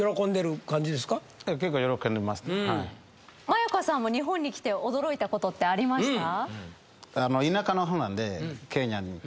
真也加さんは日本に来て驚いたことありました？